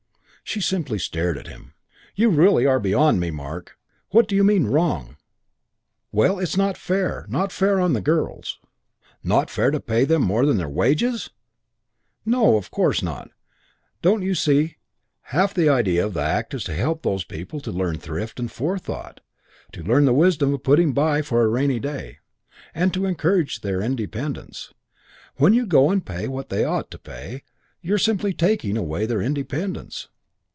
She simply stared at him. "You really are beyond me, Mark. What do you mean 'wrong'?" "Well, it's not fair not fair on the girls " "Not fair to pay them more than their wages!" "No, of course it's not. Don't you see half the idea of the Act is to help these people to learn thrift and forethought to learn the wisdom of putting by for a rainy day. And to encourage their independence. When you go and pay what they ought to pay, you're simply taking away their independence."